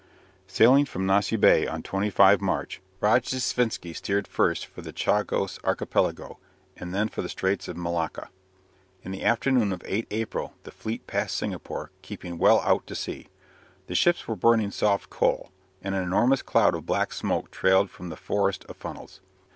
Sailing from Nossi Bé on 25 March, Rojdestvensky steered first for the Chagos Archipelago, and then for the Straits of Malacca. In the afternoon of 8 April the fleet passed Singapore, keeping well out to sea. The ships were burning soft coal, and an enormous cloud of black smoke trailed from the forest of funnels.